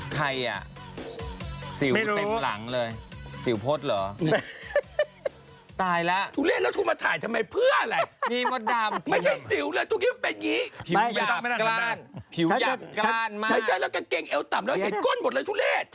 ที่หลังจะไปกินผลไม้เยี่ยมฉันขาด